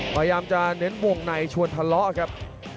พยายามจะเน้นวงในชวนทะเลาะครับ